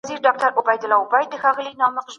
اوس هغه په خپل ماڼۍ کې ناسته ده.